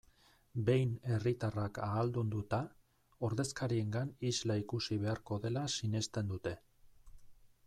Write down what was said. Behin herritarrak ahaldunduta, ordezkariengan isla ikusi beharko dela sinesten dute.